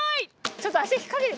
ちょっと足に引っかけて！